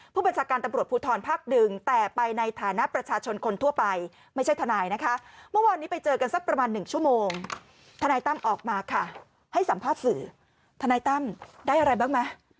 ผู้บัญชาการตำรวจภูทรภาคหนึ่ง